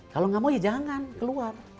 kalau nggak mau ya jangan keluar